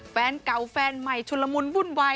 แฟนเก่าแฟนใหม่ชุลมุนวุ่นวาย